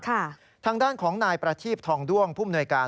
ทางด้านของนายประทีบทองด้วงผู้มนวยการ